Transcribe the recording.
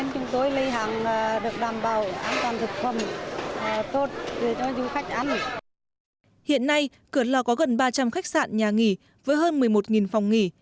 cửa lò có gần ba trăm linh khách sạn nhà nghỉ với hơn một mươi một phòng nghỉ